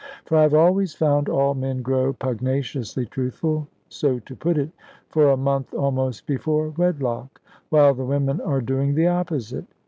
For I have always found all men grow pugnaciously truthful, so to put it, for a month almost before wedlock; while the women are doing the opposite.